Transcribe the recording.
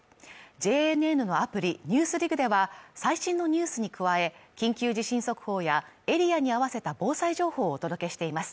ＪＮＮのアプリ「ＮＥＷＳＤＩＧ」では最新のニュースに加え、緊急地震速報やエリアに合わせた防災情報をお届けしています。